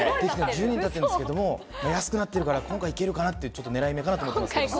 １２年たってるんですけれども、安くなってきたから今回、いけるかなって、ちょっとねらい目かなと思ってますけれども。